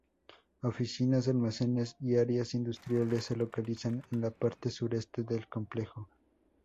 Oficinas, almacenes y áreas industriales se localizan en la parte sureste del complejo.